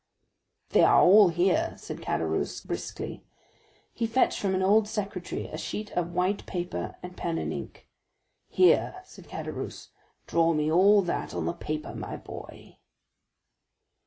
"They are all here," said Caderousse, briskly. He fetched from an old secretaire a sheet of white paper and pen and ink. "Here," said Caderousse, "draw me all that on the paper, my boy."